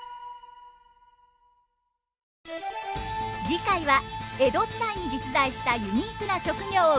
次回は江戸時代に実在したユニークな職業をご紹介します。